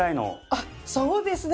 あっそうですね！